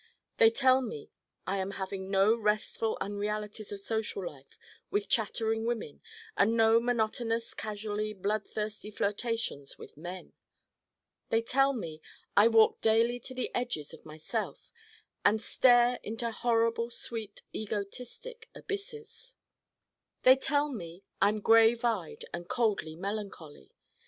They tell me I am having no restful unrealities of social life with chattering women and no monotonous casually bloodthirsty flirtations with men. They tell me I walk daily to the edges of myself and stare into horrible sweet egotistic abysses. They tell me I'm grave eyed and coldly melancholy.